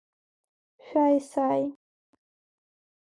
Шәаа-исааи!